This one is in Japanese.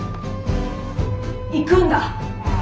行くんだ。